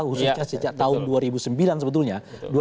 khususnya sejak tahun dua ribu sembilan sebetulnya